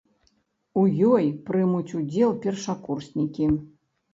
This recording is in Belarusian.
У ёй прымуць удзел першакурснікі.